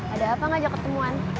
ada apa ngajak ketemuan